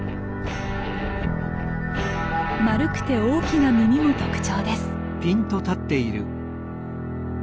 丸くて大きな耳も特徴です。